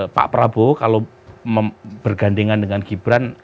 pak prabowo kalau bergandengan dengan gibran